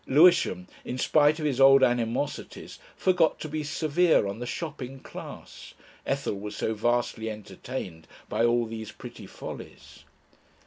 Lewisham, in spite of his old animosities, forgot to be severe on the Shopping Class, Ethel was so vastly entertained by all these pretty follies.